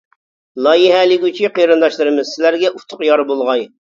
لايىھەلىگۈچى قېرىنداشلىرىمىز، سىلەرگە ئۇتۇق يار بولغاي.